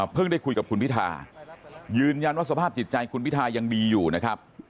ได้คุยกับคุณพิทายืนยันว่าสภาพจิตใจคุณพิทายังดีอยู่นะครับ